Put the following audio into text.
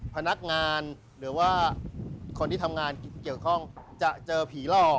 พนักงานหรือว่าคนที่ทำงานเกี่ยวข้องจะเจอผีหลอก